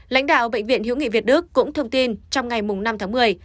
lãnh đạo bệnh viện hiếu nghị việt đức cũng thông tin trong ngày năm tháng một mươi